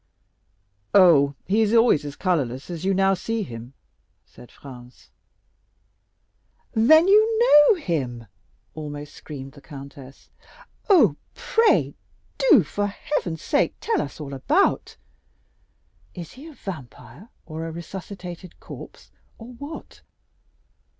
"Oh, he is always as colorless as you now see him," said Franz. "Then you know him?" almost screamed the countess. "Oh, pray do, for heaven's sake, tell us all about—is he a vampire, or a resuscitated corpse, or what?"